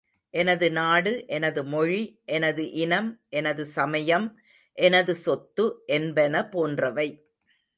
எனது நாடு எனது மொழி எனது இனம் எனது சமயம் எனது சொத்து என்பன போன்றவை.